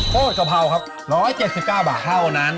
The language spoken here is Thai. กะเพราครับ๑๗๙บาทเท่านั้น